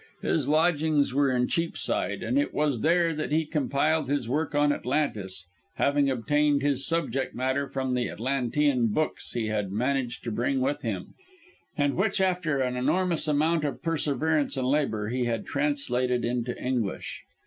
His lodgings were in Cheapside, and it was there that he compiled his work on Atlantis, having obtained his subject matter from the Atlantean books he had managed to bring with him, and which, after an enormous amount of perseverance and labour, he had translated into English.